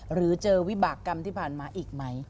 หรือเจอวิบากรรมที่ผ่านมาอีกไหม